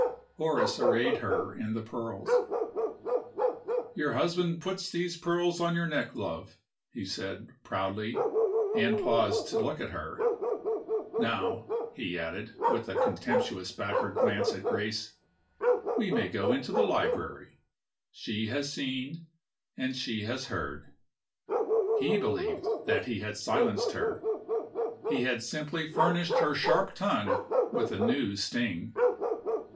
Horace arrayed her in the pearls. "Your husband puts these pearls on your neck, love," he said, proudly, and paused to look at her. "Now," he added, with a contemptuous backward glance at Grace, "we may go into the library. She has seen, and she has heard." He believed that he had silenced her. He had simply furnished her sharp tongue with a new sting.